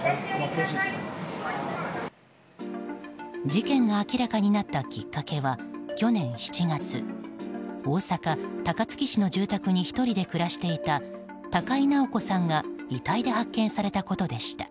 事件が明らかになったきっかけは、去年７月大阪・高槻市の住宅に１人で暮らしていた高井直子さんが遺体で発見されたことでした。